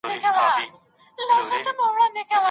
مخکي له ناروغۍ څخه بايد وقايه په نظر کي ونيول سي.